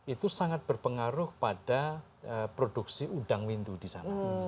itu sangat berpengaruh pada produksi udang windu di sana